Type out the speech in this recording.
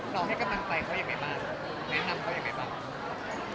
หลอกให้กำลังใจเขาอย่างไรบ้างแนะนำเขาอย่างไรบ้าง